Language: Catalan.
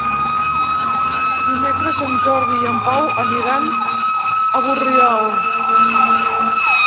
Dimecres en Jordi i en Pau aniran a Borriol.